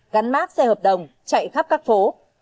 gắn mác xe hợp đồng chạy khắp các phố